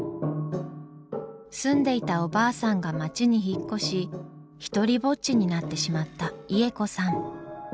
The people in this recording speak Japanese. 住んでいたおばあさんが町に引っ越しひとりぼっちになってしまったイエコさん。